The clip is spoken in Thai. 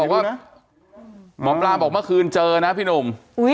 หมอป้าบอกเมื่อคืนเจอนะภี่หนุ่ม